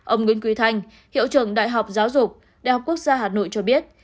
ông nguyễn quỳ thanh hiệu trường đại học giáo dục đại học quốc gia hà nội cho biết